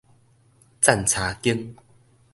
棧柴間